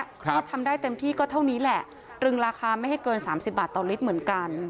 ที่ทำได้เต็มที่ก็เท่านี้แหละตรึงราคาไม่ให้เกินสามสิบบาทต่อลิตรเหมือนกัน